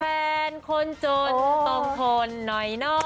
แฟนคนจนต้องทนหน่อยเนาะ